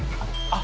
あ！